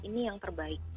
ini yang terbaik